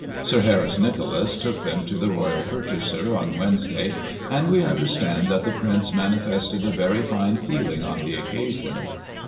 Sir Harris Nicolas took them to the Royal purchaser on Wed nesday ; and we understand that the Prince manifested a very fine feeling on the occasion.